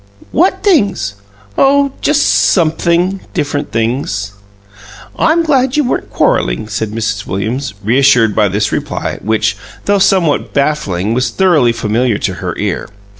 "What things?" "Oh, just sumpthing. Different things." "I'm glad you weren't quarrelling," said Mrs. Williams, reassured by this reply, which, though somewhat baffling, was thoroughly familiar to her ear.